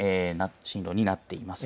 進路になっています。